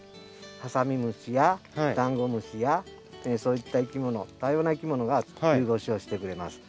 ハサミムシやダンゴムシやそういったいきもの多様ないきものが冬越しをしてくれます。